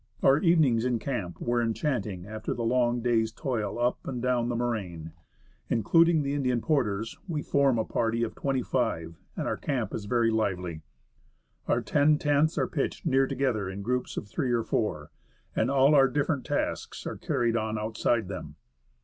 Our evenings in camp were enchanting after the long day's toil up and down the moraine. Including the Indian porters, we form a party of twenty five, and our camp is very lively. Our ten tents are pitched near together in groups of three or four, and all our different tasks are carried on outside them.